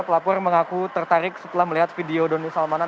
pelapor mengaku tertarik setelah melihat video doni salmanan